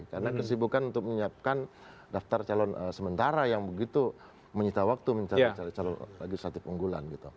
karena kesibukan untuk menyiapkan daftar calon sementara yang begitu menyita waktu mencari calon lagi secara penggulan